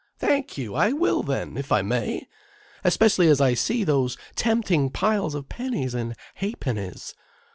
"Thank you, I will then, if I may. Especially as I see those tempting piles of pennies and ha'pennies.